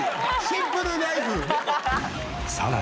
シンプルライフ！